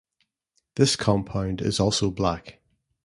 This compound is also black.